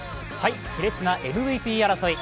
しれつなＭＶＰ争い。